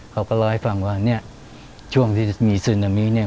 เขาก็เล่าให้ฟังว่าเนี่ยช่วงที่มีซึนามิเนี่ย